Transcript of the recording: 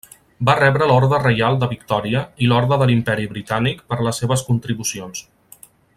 Va rebre l'Orde Reial de Victòria i l'Orde de l'Imperi Britànic per les seves contribucions.